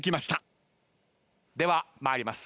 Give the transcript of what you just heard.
では参ります